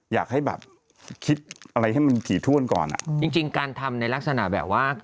อยากให้แบบคิดอะไรให้มันถี่ถ้วนก่อนอ่ะจริงจริงการทำในลักษณะแบบว่า